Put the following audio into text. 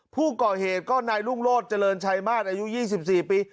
ผู้ก่อเหตุก็นายรุ่งโรธเจริญชัยมาศอายุ๒๔ปี